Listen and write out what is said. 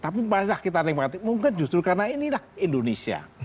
tapi malah kita nikmati mungkin justru karena inilah indonesia